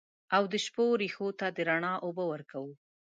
او د شپو رېښو ته د رڼا اوبه ورکوو